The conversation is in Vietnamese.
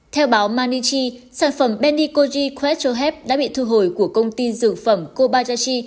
theo báo manichi sản phẩm benicoji questrohep đã bị thu hồi của công ty dự phẩm kobayashi